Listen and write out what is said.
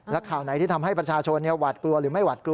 และข่าวไหนที่ทำให้ประชาชนหวาดกลัวหรือไม่หวาดกลัว